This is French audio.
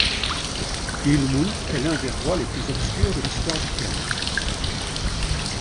Ealhmund est l'un des rois les plus obscurs de l'histoire du Kent.